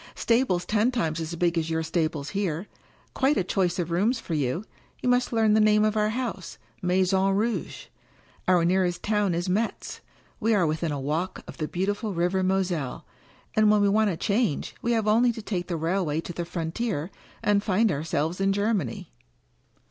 Stables ten times as big as your stables here — quite a choice of rooms for you. You must learn the name of our house — Maison Rouge. Our nearest town is Metz. We are within a walk of the beautiful River Moselle. And when we want a change we have only to take the railway to the frontier, and find ourselves in Germany."